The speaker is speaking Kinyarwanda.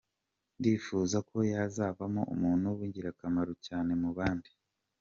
Ndifuza ko yazavamo umuntu w’ingirakamaro cyane mu bandi.